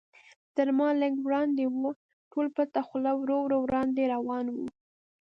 تر ما لږ وړاندې و، ټول پټه خوله ورو ورو وړاندې روان و.